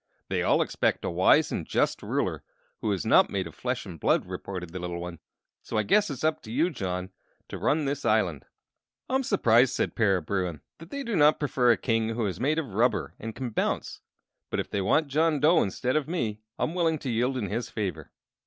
"They all expect a wise and just ruler, who is not made of flesh and blood," reported the little one; "so I guess it's up to you, John, to run this island." "I'm surprised," said Para Bruin, "that they do not prefer a king who is made of pure rubber and can bounce. But if they want John Dough instead of me I'm willing to yield in his favor."